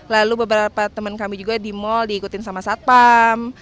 lalu beberapa teman kami juga di mal diikutin sama satpam